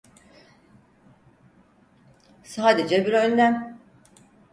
Sadece bir önlem.